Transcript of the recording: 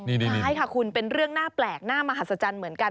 คล้ายค่ะคุณเป็นเรื่องน่าแปลกน่ามหสเจนเหมือนกัน